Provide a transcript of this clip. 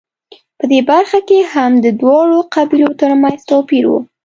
په دې برخه کې هم د دواړو قبیلو ترمنځ توپیر و